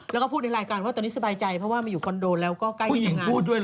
แล้วก็พูดในรายการว่าตอนนี้สบายใจเพราะว่ามาอยู่คอนโดแล้วก็ใกล้ที่จะงาน